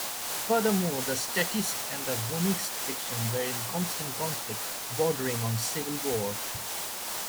Furthermore, the "Statist" and "Vonckist" factions were in constant conflict, bordering on civil war.